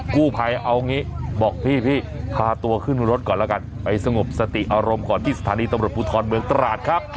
กู้ภัยเอางี้บอกพี่พาตัวขึ้นรถก่อนแล้วกันไปสงบสติอารมณ์ก่อนที่สถานีตำรวจภูทรเมืองตราดครับ